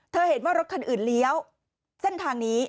เห็นว่ารถคันอื่นเลี้ยวเส้นทางนี้